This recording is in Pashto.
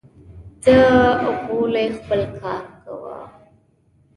ځه غولی خپل کار کوه